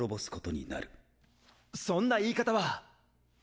そんな言い方は！